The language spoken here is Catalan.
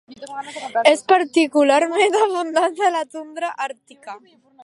És particularment abundant a la tundra àrtica.